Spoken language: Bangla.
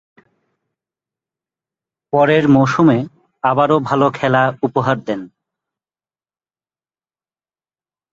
পরের মৌসুমে আবারো ভালো খেলা উপহার দেন।